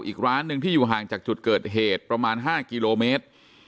อีกร้านหนึ่งที่อยู่ห่างจากจุดเกิดเหตุประมาณ๕กิโลเมตร